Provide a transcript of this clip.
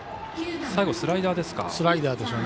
最後、スライダーですか。